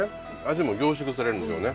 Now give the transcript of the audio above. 味も凝縮されるんですよね。